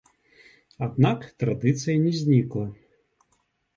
Аднак традыцыя не знікла.